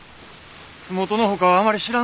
洲本のほかはあまり知らんのです。